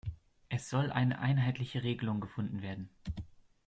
Es soll eine einheitliche Regelung gefunden werden.